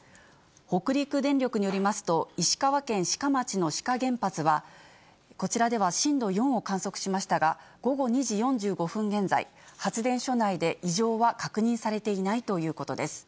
北陸電力によりますと、石川県志賀町の志賀原発は、こちらでは震度４を観測しましたが、午後２時４５分現在、発電所内で異常は確認されていないということです。